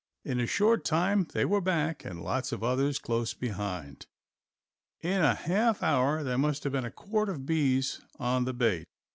In a short time they were back and lots of others close behind. In a half hour there must have been a quart of bees on the bait.